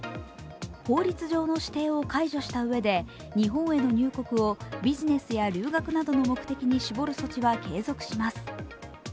法律上の指定を解除したうえで日本への入国をビジネスや留学などの目的に絞る措置は継続します。